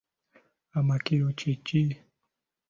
Amakiro kye ki?